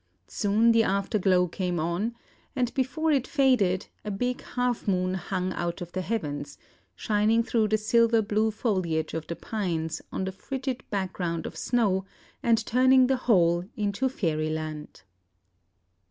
Soon the after glow came on, and before it faded a big half moon hung out of the heavens, shining through the silver blue foliage of the pines on the frigid background of snow, and turning the whole into fairyland."